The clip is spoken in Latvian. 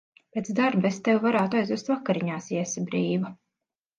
Pēc darba es tevi varētu aizvest vakariņās, ja esi brīva.